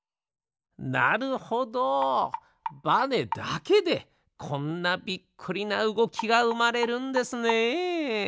なるほどバネだけでこんなびっくりなうごきがうまれるんですね。